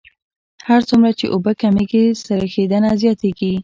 هر څومره چې اوبه کمیږي سریښېدنه زیاتیږي